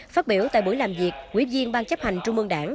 phát biểu tại buổi làm việc ủy viên ban chấp hành trung mương đảng